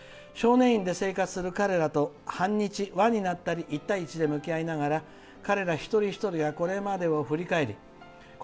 少年院で生活する彼らと半日、輪になったり一対一で向き合いながら彼ら一人一人をこれまでを振り返り